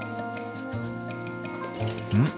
うん？